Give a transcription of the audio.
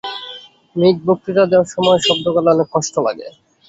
মিক, বক্তৃতা দেওয়ার সময় শব্দ করলে অনেক কষ্ট লাগে।